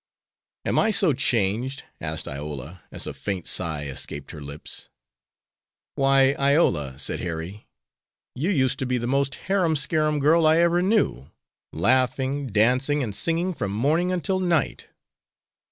"Am I so changed?" asked Iola, as a faint sigh escaped her lips. "Why, Iola," said Harry, "you used to be the most harum scarum girl I ever knew, laughing, dancing, and singing from morning until night."